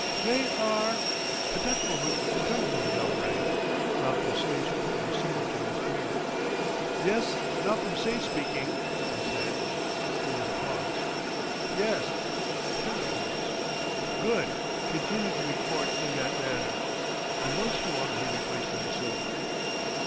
"They are " At that moment the telephone bell rang. Malcolm Sage put the receiver to his ear. "Yes, Malcolm Sage, speaking," he said. There was a pause. "Yes." Another pause. "Good, continue to record in that manner;" and once more he replaced the receiver.